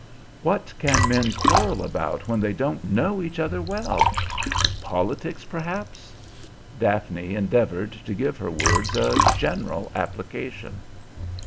"What can men quarrel about when they don't know each other well? Politics, perhaps?" Daphne endeavored to give her words a general application.